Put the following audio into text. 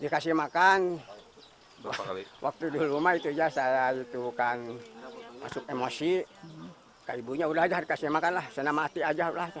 kak ibunya sudah dikasih makan senang hati saja